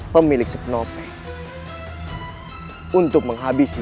dan melihat tempat mereka yang ditajam